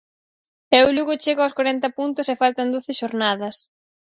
E o Lugo chega aos corenta puntos e faltan doce xornadas.